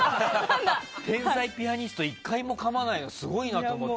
天才ピアニスト１回もかまないのすごいなと思って。